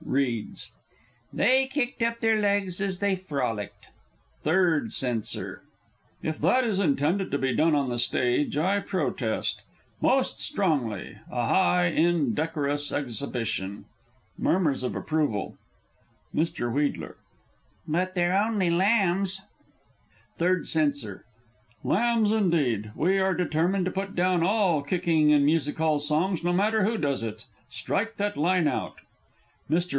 (Reads.) "They kicked up their legs as they frolicked" Third Censor. If that is intended to be done on the stage, I protest most strongly a highly indecorous exhibition! [Murmurs of approval. Mr. W. But they're only lambs! Third Censor. Lambs, indeed! We are determined to put down all kicking in Music hall songs, no matter who does it! Strike that line out. _Mr.